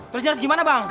terjelas gimana bang